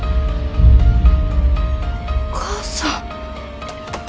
お母さん。